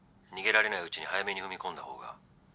逃げられないうちに早めに踏み込んだ方が。